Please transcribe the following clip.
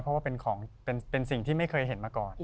เพราะว่าเป็นของเป็นสิ่งที่ไม่เคยเห็นมาก่อน